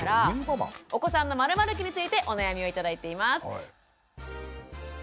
お子さんの○○期についてお悩みを頂いています。